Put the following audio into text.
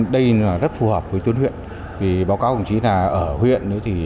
đây rất phù hợp với tuyến huyện báo cáo của chí là ở huyện